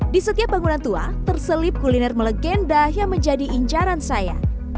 di setiap bangunan tua terselip kuliner melegenda yang menjadi incaran saya